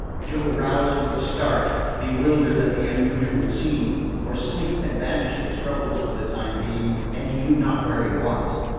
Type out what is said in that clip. Joe roused with a start, bewildered at the unusual scene; for sleep had banished his troubles for the time being, and he knew not where he was.